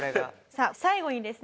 さあ最後にですね